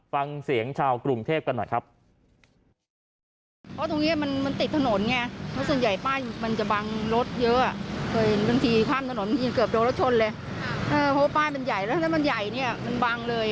ฟังเสียงชาวกรุงเทพกันหน่อยครับ